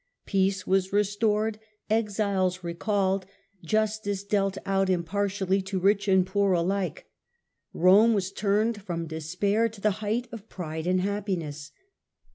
Peace was restored, exiles recalled, justice dealt out impartially to rich and poor alike. Rome was turned from despair to the height of pride and happiness.